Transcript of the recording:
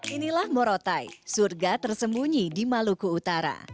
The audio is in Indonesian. inilah morotai surga tersembunyi di maluku utara